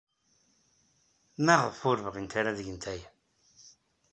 Maɣef ur bɣint ara ad gent aya?